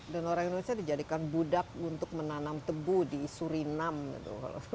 dan orang indonesia dijadikan budak untuk menanam tebu di surinam gitu